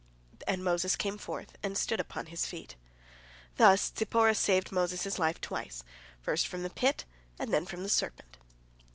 and Moses came forth and stood upon his feet. Thus Zipporah saved Moses' life twice, first from the pit and then from the serpent.